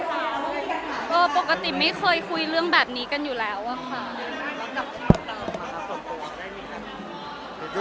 พกว่าปกติไม่เคยคุยเรื่องแบบนี้กันอยู่แล้วอะม่ะค่ะ